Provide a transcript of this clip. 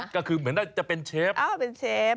ก็คือเหมือนจะเป็นเชฟ